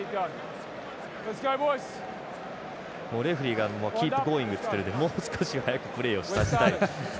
レフリーがキープゴーイングって言ってるんでもう少し早くプレーをさせたい。